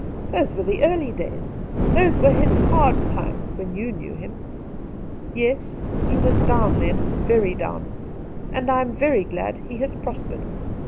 Those were the early days — those were his hard times when you knew him.' ' Yes, he was down then — very down ; and I am very glad he has prospered.